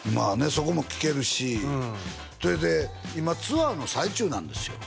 そこも聞けるしそれで今ツアーの最中なんですよ